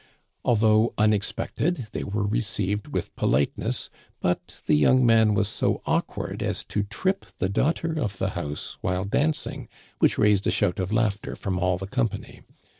Although unexpected, they were received with politeness, but the young man was so awkward as to trip the daughter of the house while dancing, which raised a shout of laugh ter from all the company.